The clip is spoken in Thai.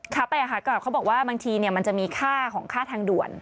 ครับแปลว่าบางทีมันจะมีค่าของค่าทางด่วน